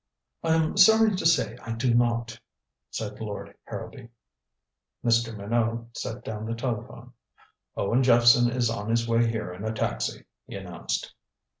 "I'm sorry to say I do not," said Lord Harrowby. Mr. Minot set down the telephone. "Owen Jephson is on his way here in a taxi," he announced.